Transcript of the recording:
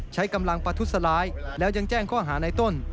ใช้กำลังประทุษร้ายแล้วยังแจ้งข้อหาในต้น